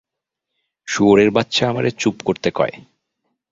শুয়োরের বাচ্চা আমারে চুপ করতে কয়।